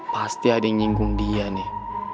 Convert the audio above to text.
pasti ada yang nyinggung dia nih